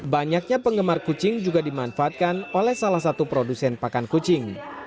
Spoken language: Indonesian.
banyaknya penggemar kucing juga dimanfaatkan oleh salah satu produsen pakan kucing